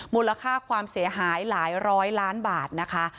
มูลค่าความเสียหายหลายร้อยล้านบาทนะคะ